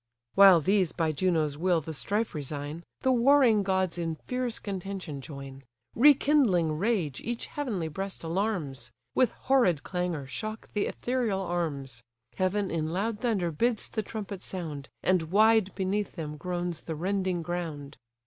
While these by Juno's will the strife resign, The warring gods in fierce contention join: Rekindling rage each heavenly breast alarms: With horrid clangour shock the ethereal arms: Heaven in loud thunder bids the trumpet sound; And wide beneath them groans the rending ground.